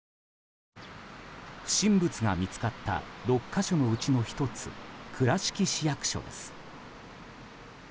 不審物が見つかった６か所のうちの１つ倉敷市役所です。